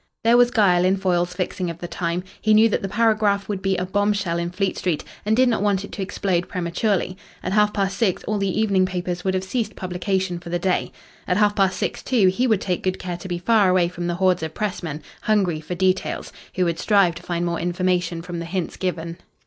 There was guile in Foyle's fixing of the time. He knew that the paragraph would be a bombshell in Fleet Street, and did not want it to explode prematurely. At half past six all the evening papers would have ceased publication for the day. At half past six, too, he would take good care to be far away from the hordes of Press men, hungry for details, who would strive to find more information from the hints given.